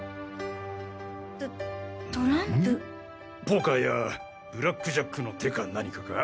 ポーカーやブラックジャックの手か何かか？